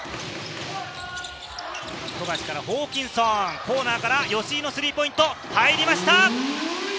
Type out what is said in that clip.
富樫からホーキンソン、コーナーから吉井のスリーポイント、入りました！